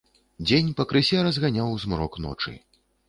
Дзень пакрысе разганяў змрок ночы.